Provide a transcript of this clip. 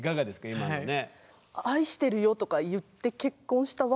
今のね。